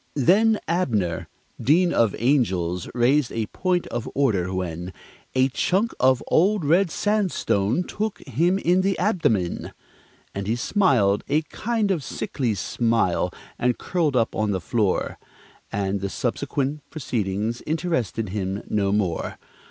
Then Abner Dean of Angel's raised a point of order, when A chunk of old red sandstone took him in the abdomen, And he smiled a kind of sickly smile, and curled up on the floor, And the subsequent proceedings interested him no more.